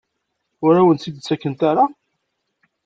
Ur awen-tt-id-ttakent ara?